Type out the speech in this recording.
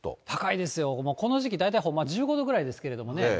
もうこの時期、大体ほんまは１５度ぐらいですけれどもね。